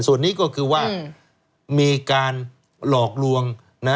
ส่วนนี้ก็คือว่ามีการหลอกลวง